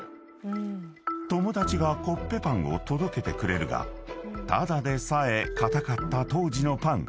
［友達がコッペパンを届けてくれるがただでさえ硬かった当時のパン］